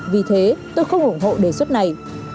vì thế tôi không ủng hộ đề xuất này